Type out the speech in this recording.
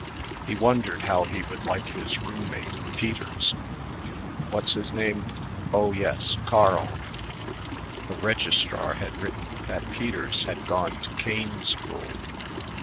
He wondered how he would like his room mate, Peters.... What's his name? Oh, yes, Carl.... The registrar had written that Peters had gone to Kane School....